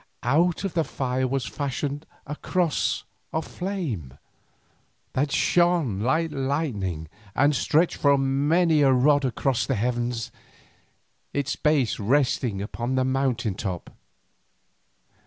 Out of the fire was fashioned a cross of flame, that shone like lightning and stretched for many a rod across the heavens, its base resting on the mountain top.